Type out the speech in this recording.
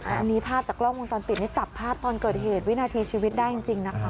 อันนี้ภาพจากกล้องวงจรปิดนี่จับภาพตอนเกิดเหตุวินาทีชีวิตได้จริงนะคะ